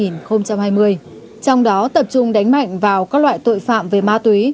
trong đó tập trung đánh mạnh vào các loại tội phạm về ma túy